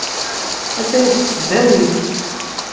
Attan deg tesdawit.